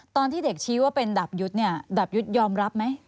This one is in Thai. ตอนที่เด็กชี้ว่าเป็นดาบยุทธ์เนี่ยดาบยุทธยอมรับไหม